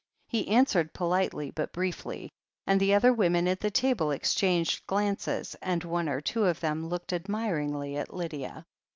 He answered politely but briefly, and the other women at the table exchanged glances, and one or two of them looked admiringly at Lydia.